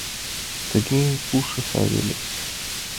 Тыге гын, пушо сай велыс.